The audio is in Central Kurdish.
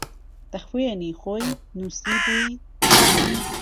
به خوێنی خۆی نووسیبووی